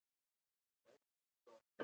دا وده د فکري بهیر په مټ جریان مومي.